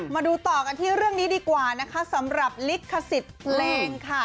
มาดูต่อกันที่เรื่องนี้ดีกว่านะคะสำหรับลิขสิทธิ์เพลงค่ะ